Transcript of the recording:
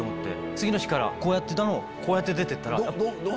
次の日からこうやってたのをこうやって出て行った。